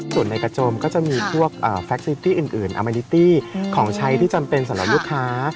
ส่วนในกระโจมก็จะมีพวกแฟคซิตี้อื่นอาเมนิตี้ของใช้ที่จำเป็นสำหรับลูกค้า